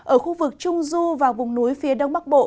ở khu vực trung du và vùng núi phía đông bắc bộ